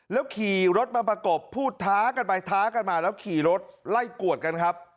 แล้วขี่รถมาประกบพูดท้ากันไปท้ากันมาแล้วขี่รถไล่กวดกันครับ